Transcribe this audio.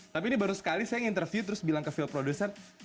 tapi ini baru sekali saya nginterview terus bilang ke field producer